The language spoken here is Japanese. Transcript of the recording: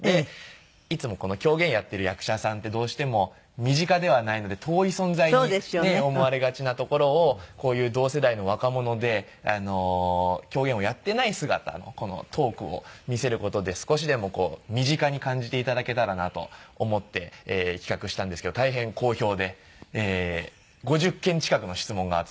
いつもこの狂言やっている役者さんってどうしても身近ではないので遠い存在に思われがちなところをこういう同世代の若者で狂言をやっていない姿のトークを見せる事で少しでも身近に感じて頂けたらなと思って企画したんですけど大変好評で５０件近くの質問が集まって。